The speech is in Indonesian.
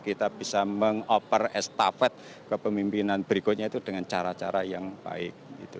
kita bisa mengoper estafet kepemimpinan berikutnya itu dengan cara cara yang baik